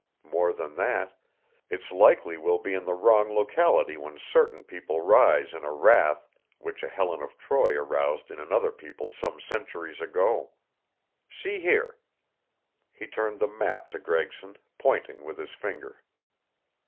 More than that, it's likely we'll be in the wrong locality when certain people rise in a wrath which a Helen of Troy aroused in another people some centuries ago. See here " He turned the map to Gregson, pointing with his finger.